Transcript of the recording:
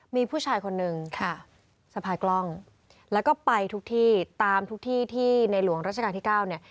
มีผู้ชายคนนึงค่ะสะพายกล้องแล้วก็ไปทุกที่ตามทุกที่ที่ในหลวงราชการที่๙เนี่ย